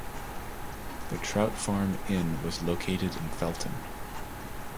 The Trout Farm Inn was located in Felton.